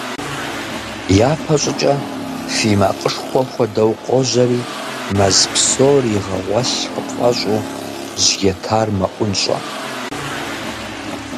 Япэ щӀыкӀэ фий макъышхуэ хуэдэу къожьэри, мэз псор игъэгъуэлъ къыпфӀэщӀу, жьы етар мэӀунщӀэ.